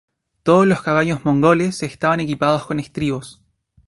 Todos los caballos mongoles estaban equipados con estribos.